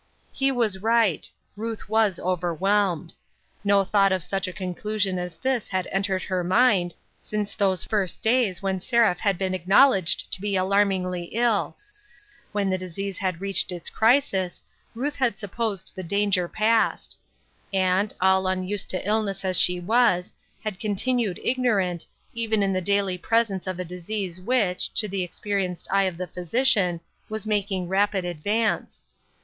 He was right ; Ruth was overwhelmed. No thought of such a conclusion as this had entered her mind since those first days when Seraph had been acknowledged to be alarmingly ill ; when the disease had reached its crisis, Ruth had supposed the danger passed ; and, all unused to illness as she was, had continued ignorant, even in the daily presence of a disease which, to the experienced eye of the physician, was making rapid advance.